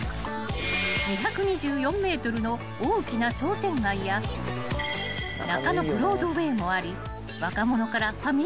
［２２４ｍの大きな商店街や中野ブロードウェイもあり］